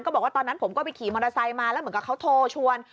บอกว่าตอนนั้นผมก็ไปขี่มอเตอร์ไซค์มาแล้วเหมือนกับเขาโทรชวน